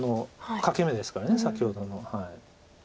欠け眼ですから先ほどの。